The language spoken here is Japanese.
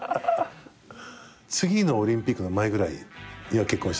次のオリンピックの前ぐらいには結婚したいと。